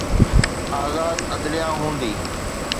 آزاد عدليه هوندي.